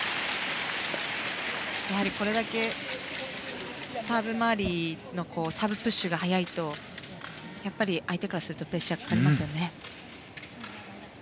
これだけサーブ周りのサーブプッシュが速いとやっぱり相手からするとプレッシャーがかかりますね。